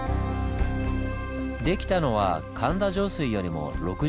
出来たのは神田上水よりも６０年ほどあと。